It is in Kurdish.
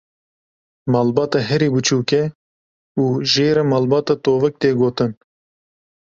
Malbata herî biçûk e, û jê re malbata tovik tê gotin.